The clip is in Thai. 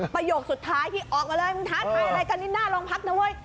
ประโยคสุดท้ายที่ออกมาเลยมึงท้าทายอะไรกันนี่หน้าโรงพักนะเว้ย